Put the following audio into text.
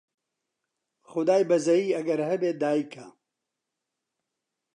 خودای بەزەیی ئەگەر هەبێ دایکە